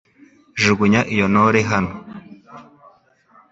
Jugunya iyo ntore hano